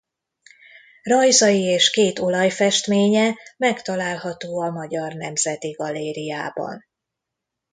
Rajzai és két olajfestménye megtalálható a Magyar Nemzeti Galériában.